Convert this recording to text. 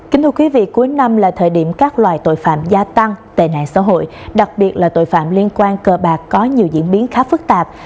kính thưa quý vị cuối năm là thời điểm các loài tội phạm gia tăng tệ nạn xã hội đặc biệt là tội phạm liên quan cờ bạc có nhiều diễn biến khá phức tạp